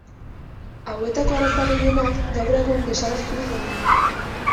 Hauetako arraza gehienak gaur egun desagerturik daude.